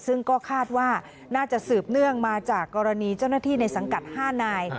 ซึ่งก็คาดว่าน่าจะสืบเนื่องมาจากกรณีเจ้าหน้าที่ในสังกัด๕นาย